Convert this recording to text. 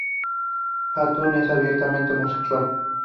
Patton es abiertamente homosexual.